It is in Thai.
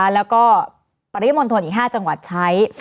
แล้วก็ปริมณฑลอีก๕จังหวัดใช้